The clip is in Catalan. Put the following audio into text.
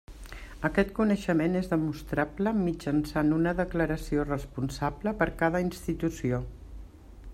Aquest coneixement és demostrable mitjançant una declaració responsable per cada institució.